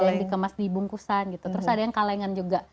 yang dikemas di bungkusan gitu terus ada yang kalengan juga